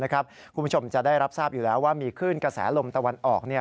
คุณผู้ชมจะได้รับทราบอยู่แล้วว่ามีคลื่นกระแสลมตะวันออก